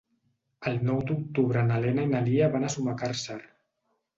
El nou d'octubre na Lena i na Lia van a Sumacàrcer.